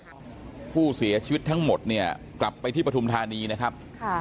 มีเคลื่อนย้ายศพผู้เสียชีวิตทั้งหมดกลับไปที่ปฐุมธานีนะครับ